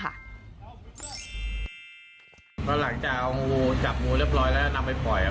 ก็หลังจากเอางูจับงูเรียบร้อยแล้วนำไปปล่อย